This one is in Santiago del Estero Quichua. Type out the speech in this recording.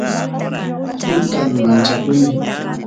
tutan manchakuni